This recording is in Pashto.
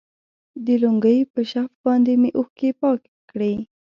د لونګۍ په شف باندې مې اوښكې پاكې كړي.